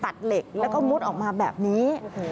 ตัดเหล็กและมจดออกมาแบบนี้